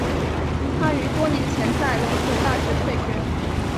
他于多年前在龙谷大学退学。